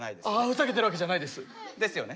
ふざけてるわけじゃないです。ですよね。